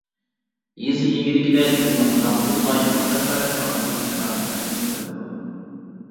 يېزا ئىگىلىكىدە كۆممىقوناق، بۇغداي، ئاپتاپپەرەس قاتارلىق زىرائەتلەر ئۆستۈرۈلىدۇ.